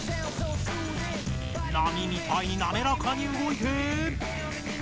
波みたいになめらかに動いて。